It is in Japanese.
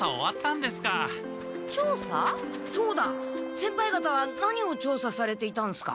先輩方は何をちょうさされていたんすか？